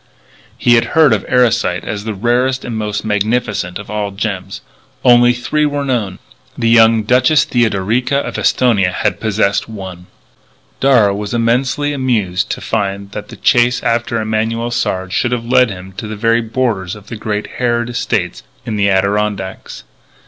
He had heard of Erosite as the rarest and most magnificent of all gems. Only three were known. The young Duchess Theodorica of Esthonia had possessed one. Darragh was immensely amused to find that the chase after Emanuel Sard should have led him to the very borders of the great Harrod estate in the Adirondacks.